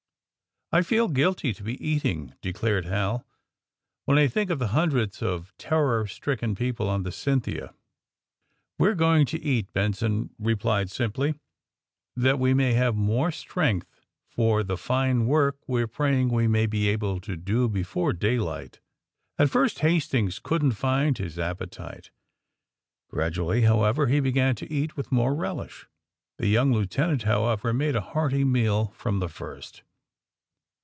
I feel guilty to be eating," declared Hal, when I think of the hundreds of terror stricken people on the * Cynthia. ''' ''We're going to eat," Benson replied simply, "that we may have m'ore strength for the fine work we're praying we may be able to do be fore daylight." At first Hastings couldn't find his appetite. Gradually, however, he began to eat with more relish. The young lieutenant, however, made a hearty meal from the first.